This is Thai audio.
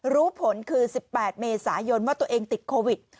รู้ผลคือ๑๘เมษายนว่าตัวเองติดโควิด